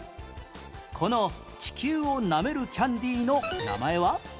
この地球をなめるキャンディの名前は？